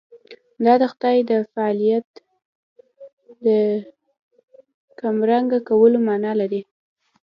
دا د خدای د فاعلیت د کمرنګه کولو معنا لري.